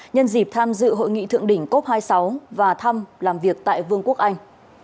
nhân dịp tham dự hội nghị thượng đỉnh cốp hai mươi sáu và thăm làm việc tại vương quốc anh